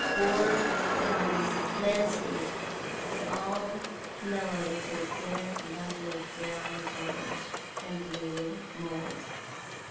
Boar, hounds, landscape, had all mellowed to a dead level of brown varnish and blue mould.